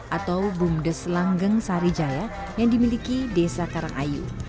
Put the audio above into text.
atau bumdes langgeng sari jaya yang dimiliki desa karangayu